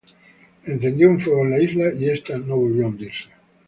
Encendió un fuego en la isla y esta no volvió a hundirse.